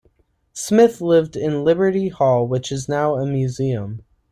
Smith lived in Liberty Hall which is now a museum.